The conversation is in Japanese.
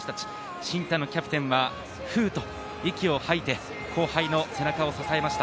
新谷キャプテンはフっと息を吐いて、後輩の背中を支えました。